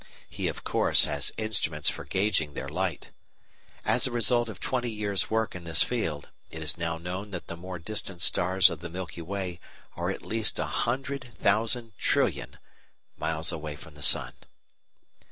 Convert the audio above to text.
He, of course, has instruments for gauging their light. As a result of twenty years work in this field, it is now known that the more distant stars of the Milky Way are at least a hundred thousand trillion (100,000,000,000,000,000) miles away from the sun.